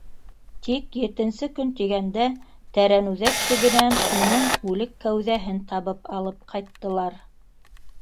Тик етенсе көн тигәндә Тәрәнүҙәк төбөнән уның үлек кәүҙәһен табып алып ҡайттылар.